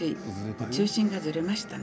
中心がズレましたね。